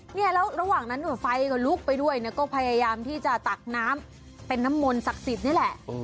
เนี่ยแล้วระหว่างนั้นไฟก็ลุกไปด้วยเนี่ยก็พยายามที่จะตักน้ำเป็นน้ำมนต์ศักดิ์สิทธิ์นี่แหละ